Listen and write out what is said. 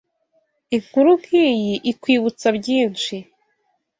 Inkuru nk’iyi ikwibutsa byinshi